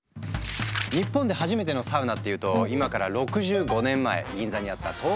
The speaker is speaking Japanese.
日本で初めてのサウナっていうと今から６５年前銀座にあった「東京温泉」。